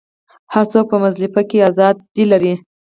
هر څوک په مزدلفه کې ازادي لري.